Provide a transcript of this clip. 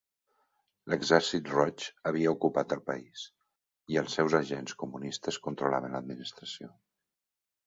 L'Exèrcit Roig havia ocupat el país, i els seus agents comunistes controlaven l'administració.